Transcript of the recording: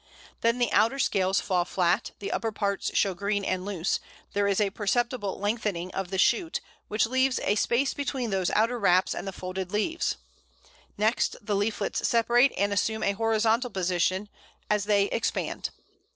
Then the outer scales fall flat, the upper parts show green and loose; there is a perceptible lengthening of the shoot, which leaves a space between those outer wraps and the folded leaves. Next the leaflets separate and assume a horizontal position as they expand.